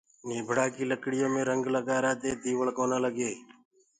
نيڀڙآ ڪي لڪڙيو ميڻ رنگ لگآرآ دي ديوݪڪونآ لگي